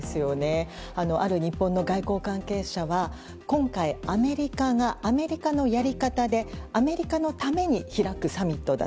ある日本の外交関係者は今回、アメリカがアメリカのやり方でアメリカのために開くサミットだ。